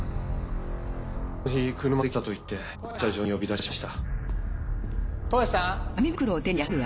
あの日車で来たと言って駐車場に呼び出しました。